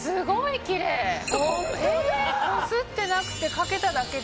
こすってなくてかけただけで？